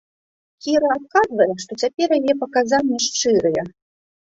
Кіра адказвае, што цяпер яе паказанні шчырыя.